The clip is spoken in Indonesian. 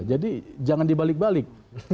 jadi jangan dibalik balik